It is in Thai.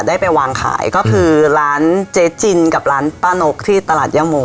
ได้ไปวางขายก็คือร้านเจ๊จินกับร้านป้านกที่ตลาดย่าโม